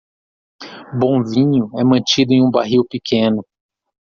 Bom vinho é mantido em um barril pequeno.